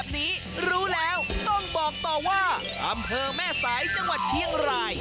ต้องบอกต่อว่าอำเภอแม่สายจังหวัดเที่ยงราย